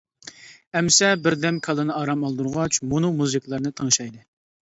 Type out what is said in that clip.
ئەمسە بىردەم كاللىنى ئارام ئالدۇرغاچ مۇنۇ مۇزىكىلارنى تىڭشايلى.